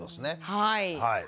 はい。